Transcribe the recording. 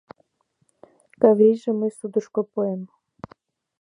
Каврийжым мый судышко пуэм.